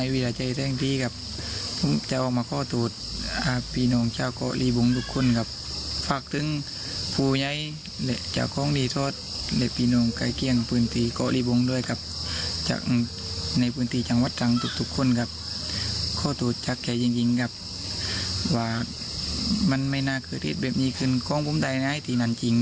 ว่ามันไม่น่าเกิดที่แบบนี้ขึ้นของผมได้นะที่นั่นจริง